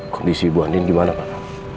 kondisi ibu ani gimana pak